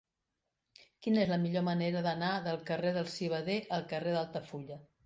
Quina és la millor manera d'anar del carrer del Civader al carrer d'Altafulla?